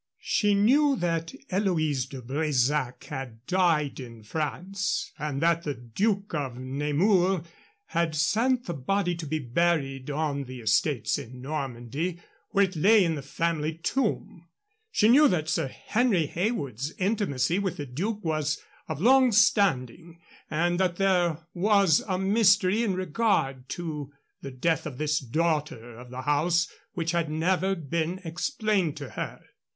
She knew that Eloise de Bresac had died in France and that the Duke of Nemours had sent the body to be buried on the estates in Normandy, where it lay in the family tomb. She knew that Sir Henry Heywood's intimacy with the Duke was of long standing, and that there was a mystery in regard to the death of this daughter of the house which had never been explained to her.